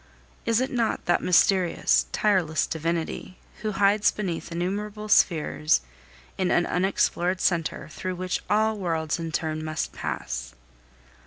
Is it not that mysterious, tireless divinity, who hides beneath innumerable spheres in an unexplored centre, through which all worlds in turn must pass?